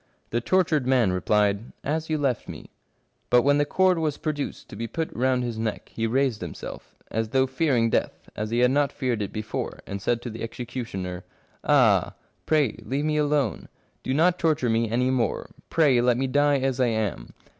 The tortured man replied, *As you left me.' 100 Strange Pains and Penalties But when the cord was produced to be put round his neck, he raised himself, as though fearing death, as he had not feared it before, and said to the execu tioner :—* Ah ! pray leave me alone. Do not torture me any more ! Pray let me die as I am